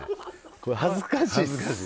これ恥ずかしい。